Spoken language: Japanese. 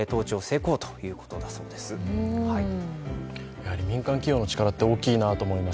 やはり民間企業の力って大きいなと思います